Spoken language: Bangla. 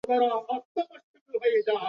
পারব কি না!